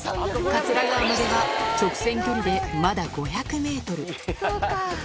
桂川までは直線距離でまだ５００メートル。